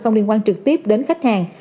không liên quan trực tiếp đến khách hàng